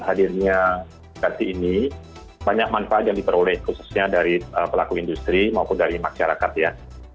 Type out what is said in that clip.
hadirnya aplikasi ini banyak manfaat yang diperoleh khususnya dari pelaku industri maupun dari masyarakat ya